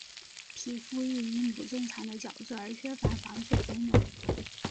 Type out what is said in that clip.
皮肤亦因不正常的角质而缺乏防水功能。